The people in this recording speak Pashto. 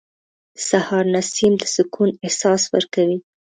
• د سهار نسیم د سکون احساس ورکوي.